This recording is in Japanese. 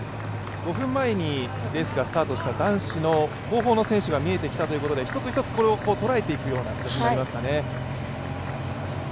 ５分前にレースがスタートした、男子の後方の選手が見えてきたということで一つ一つこれを捉えていくような形になりますかね。